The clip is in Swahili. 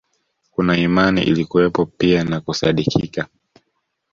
Kuna imani ilikuwepo pia na kusadikika